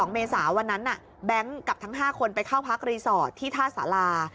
เมษาวันนั้นแบงค์กับทั้ง๕คนไปเข้าพักรีสอร์ทที่ท่าสารา